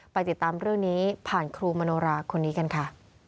ติดตามเรื่องนี้ผ่านครูมโนราคนนี้กันค่ะ